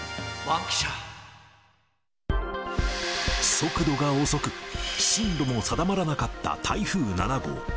速度が遅く、進路も定まらなかった台風７号。